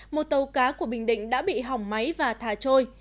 một tàu cá của bình định đã bị hỏng máy và thả trôi